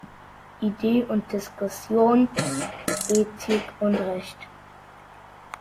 Idee und Diskussion, Ethik und Recht.